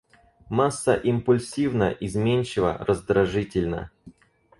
Масса импульсивна, изменчива, раздражительна.